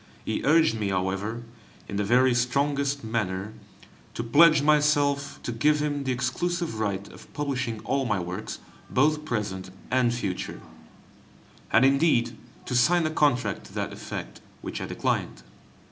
He urged me, however, in the very strongest manner, to pledge myself to give him the exclusive right of publishing all my works, both present and future, and indeed to sign a contract to that effect, which I declined.